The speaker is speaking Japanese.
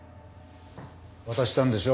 渡したんでしょ？